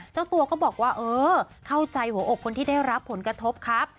เจ้าตัวก็บอกว่าเออเข้าใจหัวอกคนที่ได้รับผลกระทบครับ